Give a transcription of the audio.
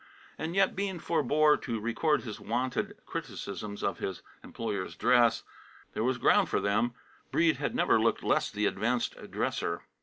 And yet Bean forebore to record his wonted criticisms of his employer's dress. There was ground for them. Breede had never looked less the advanced dresser.